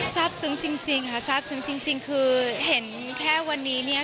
ทราบซึ้งจริงคือเห็นแค่วันนี้